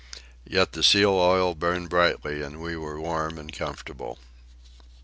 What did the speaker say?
Yet the seal oil burned brightly and we were warm and comfortable.